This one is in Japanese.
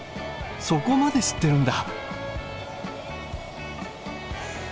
そこまで知ってるんだ。